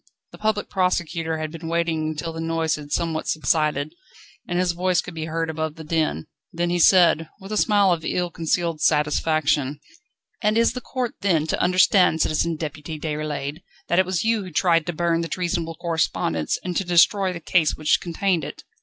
The Public Prosecutor had been waiting until the noise had somewhat subsided, and his voice could be heard above the din, then he said, with a smile of ill concealed satisfaction: "And is the court, then, to understand, Citizen Deputy Déroulède, that it was you who tried to burn the treasonable correspondence and to destroy the case which contained it?"